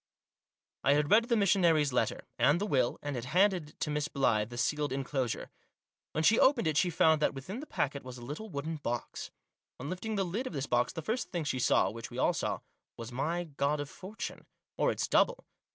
I had read the missionary's letter, and the will, and had handed to Miss Blyth the sealed enclosure. When she opened it she found that within the packet was a little wooden box. On lifting the lid of this box, the first thing she saw — which we all saw — was my God of Fortune, or its double.